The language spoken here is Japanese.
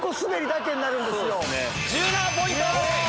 １７ポイント！